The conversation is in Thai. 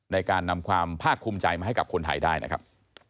ในการนำความภาคภูมิใจมาให้กับคนไทยได้นะครับ